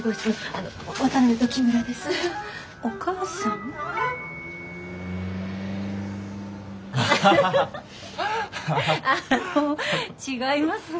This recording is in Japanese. あの違います